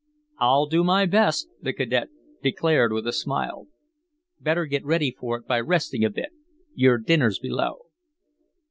"I'll do my best," the cadet declared with a smile. "Better get ready for it by resting a bit. Your dinner's ready below."